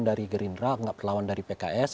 dari gerindra ada relawan dari pks